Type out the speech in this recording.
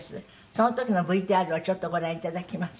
その時のＶＴＲをちょっとご覧いただきます。